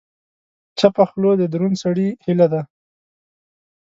چپه خوله، د دروند سړي هیله ده.